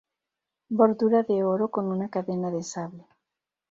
Bordura de oro, con una cadena de sable.